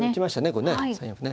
これね３四歩ね。